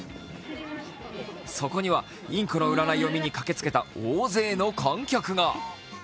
そこにはインコの占いを見に駆けつけた大勢の観客が。